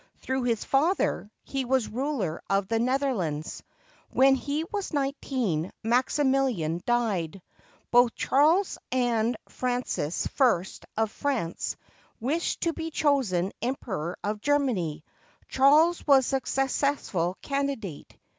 Through his father, he was ruler of the Netherlands. When he was nineteen, Maximihan died. Both Charles and Fran cis I of France wished to be chosen Emperor of Germany. Charles was the successful candidate.